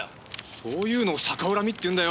そういうのを逆恨みって言うんだよ。